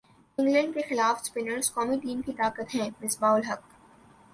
England کیخلاف spinners قومی team کی طاقت ہیں مصباح الحق